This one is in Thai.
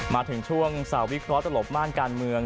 มาถึงช่วงสาววิเคราะหลบม่านการเมือง